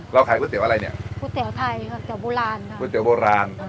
เราขายก๋วยเตี๋ยวอะไรเนี่ยก๋วยเตี๋ยวไทยก๋วยเตี๋ยวโบราณ